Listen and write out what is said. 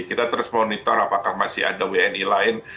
kita terus monitor apakah masih ada wni lain